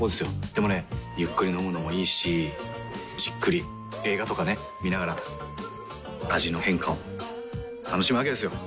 でもねゆっくり飲むのもいいしじっくり映画とかね観ながら味の変化を楽しむわけですよ。